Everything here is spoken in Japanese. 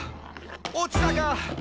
落ちたか！」